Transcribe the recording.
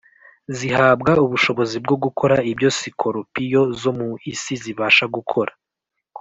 zihabwa ubushobozi bwo gukora ibyo sikorupiyo zo mu isi zibasha gukora